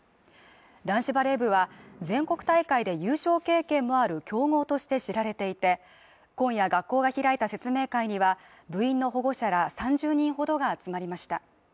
男子バレー部は全国大会で優勝経験もある強豪として知られていて今夜、学校が開いた説明会には部員の保護者ら３０人ほどが集まりました。